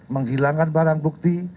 menghilangkan barang bukti